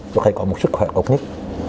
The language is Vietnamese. có thể có một sức khỏe ốc nhất